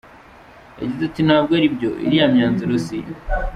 Yagize ati “Ntabwo aribyo, iriya myanzuro siyo.